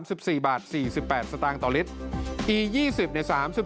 โทษภาพชาวนี้ก็จะได้ราคาใหม่